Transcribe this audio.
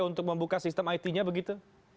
untuk membuka sistem it nya begitu